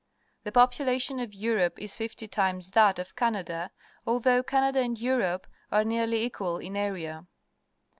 The population of Europe is fifty times that of Canada, although Can ada and Europe are nearly equal in area.